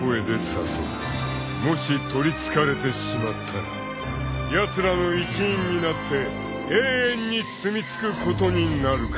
［もし取りつかれてしまったらやつらの一員になって永遠にすみ着くことになるかも］